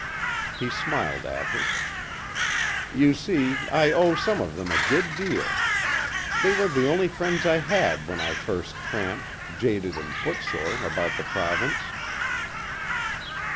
He smiled at her. "You see, I owe some of them a good deal. They were the only friends I had when I first tramped, jaded and footsore, about the province."